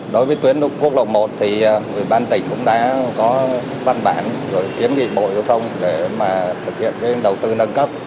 đối với tuyến quốc lộ một thì ủy ban tỉnh cũng đã có văn bản rồi kiến nghị bộ giao thông để mà thực hiện đầu tư nâng cấp